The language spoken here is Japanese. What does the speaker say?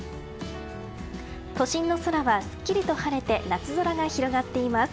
都心の空はすっきりと晴れて夏空が広がっています。